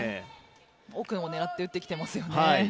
奥の方を狙って打ってきていますよね。